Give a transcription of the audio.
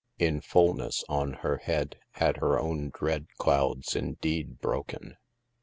In fullness on her head, had her own dread clouds indeed broken.